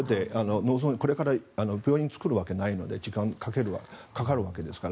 これから病院を作るわけないので時間がかかるわけですから。